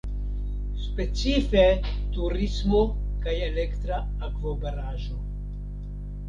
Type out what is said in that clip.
Specife turismo kaj elektra akvobaraĵo.